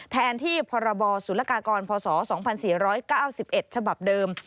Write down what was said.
แทนที่พรบศุลกากรพศ๒๔๙๑ฉบับเดิม